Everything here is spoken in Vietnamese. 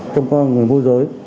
trong con người mua dưới